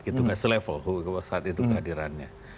itu gak selevel saat itu kehadirannya